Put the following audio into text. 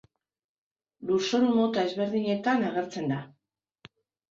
Lurzoru mota ezberdinetan agertzen da.